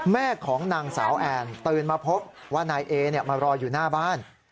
แม่ของนางสาวแอนตื่นมาพบว่านายเอมารออยู่หน้าบ้าน